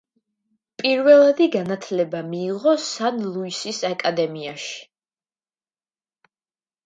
პირველადი განათლება მიიღო სან-ლუისის აკადემიაში.